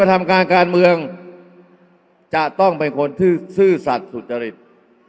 อย่าให้ลุงตู่สู้คนเดียว